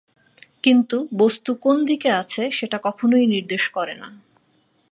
কিন্তু বস্তু কোন দিকে আছে সেটা কখনোই নির্দেশ করে না।